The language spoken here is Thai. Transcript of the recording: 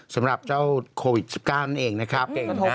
สำหรับเจ้าโควิด๑๙นั้นเองนะครับ